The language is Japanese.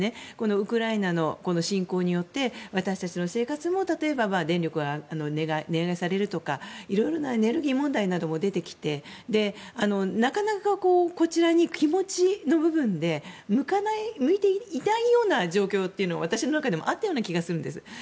ウクライナの侵攻によって私たちの生活も例えば電力が値上げされるとかいろいろなエネルギー問題なども出てきてなかなかこちらに気持ちの部分で向いていないような状況が私の中にもあったような気がするんです。